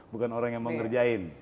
bukan orang yang mengerjain